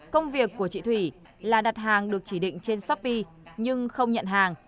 công việc của chị thủy là đặt hàng được chỉ định trên shopee nhưng không nhận hàng